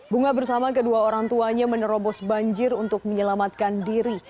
bunga bersama kedua orang tuanya menerobos banjir untuk menyelamatkan diri